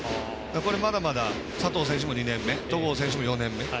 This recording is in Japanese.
これ、まだまだ佐藤選手も２年目戸郷選手も４年目